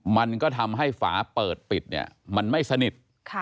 มันก็ทำให้ฝาเปิดปิดเนี่ยมันไม่สนิท